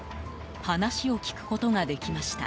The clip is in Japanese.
話を聞くことができました。